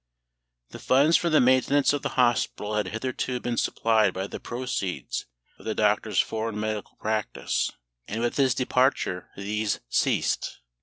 The funds for the maintenance of the hospital had hitherto been supplied by the proceeds of the doctor's foreign medical practice; and with his departure these ceased.